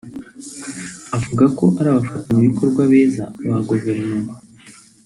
avuga ko ari abafatanyabikorwa beza ba Guverinoma